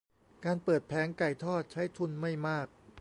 การเปิดแผงไก่ทอดใช้ทุนไม่มาก